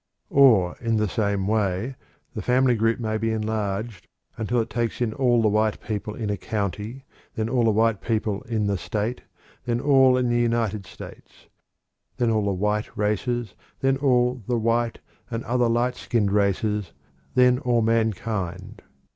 Or, in the same way, the family group may be enlarged until it takes in all the white people in a county, then all the white people in the state, then all in the United States; then all the white races, then all the white and other light skinned races, then all mankind.